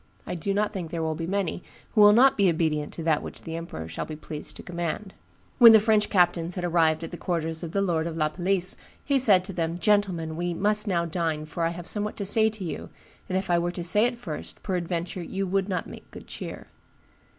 I do not think there will be many who will not be obedient to that which the emperor shall be pleased to command.' "When the French captains had arrived at the quarters of the lord of La Palisse, he said to them, 'Gentlemen, we must now dine, for I have somewhat to say to you, and if I were to say it first, peradventure you would not make good cheer.